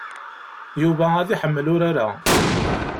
Yuba ad iḥemmel urar-a.